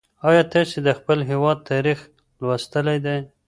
ایا تاسې د خپل هېواد تاریخ لوستلی دی؟